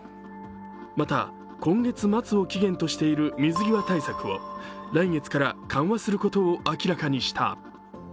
また、今月末を期限としている水際対策を来月から緩和することを明らかにした。